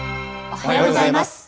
おはようございます。